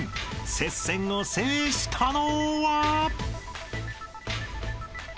接戦を制したのは？］